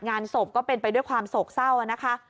งานศพก็เป็นไปด้วยความโศกเศร้านะคะ